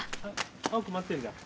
あおくん待ってるじゃん。